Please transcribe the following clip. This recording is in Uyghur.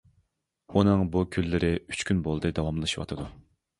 ئۇنىڭ بۇ كۈنلىرى ئۈچ كۈن بولدى داۋاملىشىۋاتىدۇ.